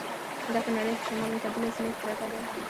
دا په نړۍ په شمال متعدله سیمه کې پرته ده.